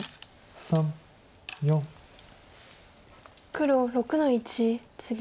黒６の一ツギ。